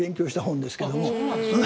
あそうなんですね。